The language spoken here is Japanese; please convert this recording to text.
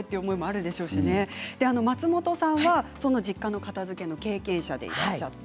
松本さんはその実家の片づけの経験者です。